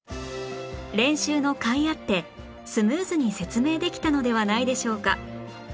練習のかいあってスムーズに説明できたのではないでしょうか？